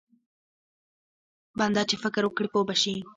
بنده چې فکر وکړي پوه به شي.